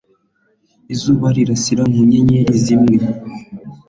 izuba rirasira mu nyenyeri zimwe